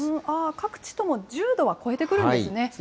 あー、各地とも１０度は超えてくるんですね。